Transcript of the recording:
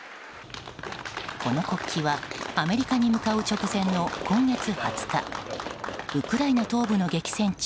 この国旗はアメリカに向かう直前の今月２０日ウクライナ東部の激戦地